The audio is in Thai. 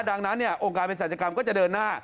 ดังนั้นเนี่ยองค์การเป็นศาลจังกรรมก็จะเดินหน้า